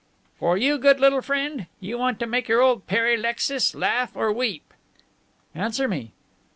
"For you, good little friend! You want to make your old Pere Alexis laugh or weep!" "Answer me."